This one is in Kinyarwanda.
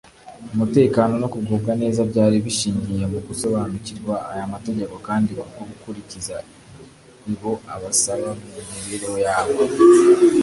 Umutekano no kugubwa neza byari bishingiye mu gusobanukirwa aya mategeko kandi kubwo gukurikiza ibo asaba mu mibereho yabo